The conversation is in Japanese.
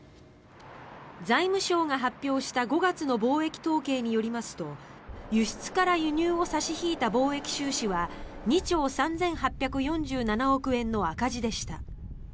財務省が発表した５月の貿易統計によりますと輸出から輸入を差し引いた貿易収支は２兆３８４７億円の赤字でした。